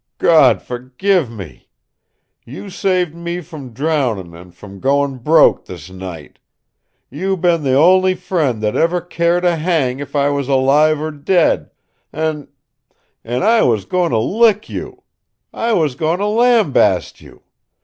Gawd forgive me! You saved me from drowndin' an' from goin' broke, this night! You been the only friend that ever cared a hang if I was alive or dead! An' an' I was goin' to lick you! I was goin' to lambaste you.